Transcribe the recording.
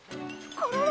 コロロ！